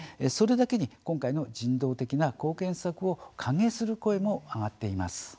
それだけに今回の人道的な貢献策を歓迎する声も上がっています。